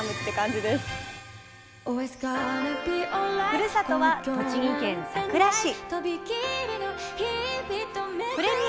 ふるさとは栃木県さくら市。